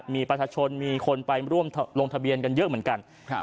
มีประชาชนมีคนไปร่วมลงทะเบียนกันเยอะเหมือนกัน